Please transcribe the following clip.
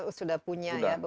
atau platform menggunakan